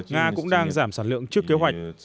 nga cũng đang giảm sản lượng trước kế hoạch